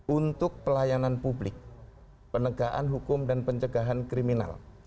untuk pelayanan publik penegaan hukum dan pencegahan kriminal